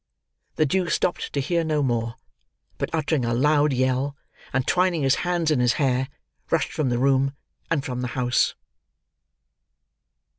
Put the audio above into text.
The Jew stopped to hear no more; but uttering a loud yell, and twining his hands in his hair, rushed from the room, and from the house.